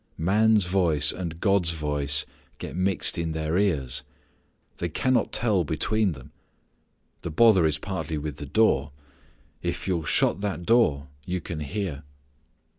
Man's voice and God's voice get mixed in their ears. They cannot tell between them. The bother is partly with the door. If you'll shut that door you can hear.